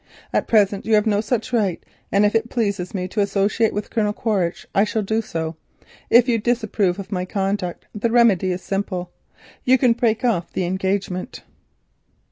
At present you have no such right, and if it pleases me to associate with Colonel Quaritch, I shall do so. If you disapprove of my conduct, the remedy is simple—you can break off the engagement."